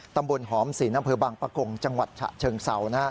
ตำบลหอมศีลอำเภอบางปะกงจังหวัดฉะเชิงเศร้า